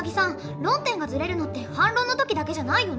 論点がずれるのって反論の時だけじゃないよね。